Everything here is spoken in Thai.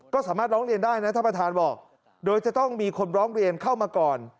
ก็สามารถร้องเรียนได้นะท่านประธานบอกโดยจะต้องมีคนร้องเรียนเข้ามาก่อน